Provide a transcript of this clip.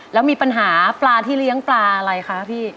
แล้วมีปัญหาปลาที่เลี้ยงปลาอะไรคะพี่